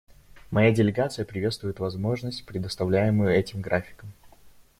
Моя делегация приветствует возможность, предоставляемую этим графиком.